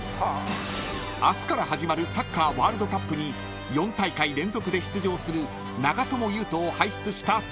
［明日から始まるサッカーワールドカップに４大会連続で出場する長友佑都を輩出したサッカー部］